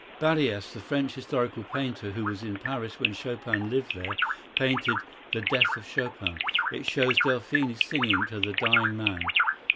Barrias, the French historical painter, who was in Paris when Chopin lived there, painted "The Death of Chopin." It shows Delphine singing to the dying man.